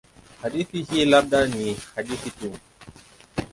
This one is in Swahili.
Hadithi hii labda ni hadithi tu.